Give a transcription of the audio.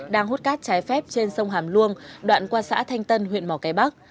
đang hút cát trái phép trên sông hàm luông đoạn qua xã thanh tân huyện mỏ cái bắc